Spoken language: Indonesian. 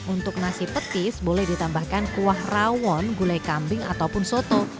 untuk nasi petis boleh ditambahkan kuah rawon gulai kambing ataupun soto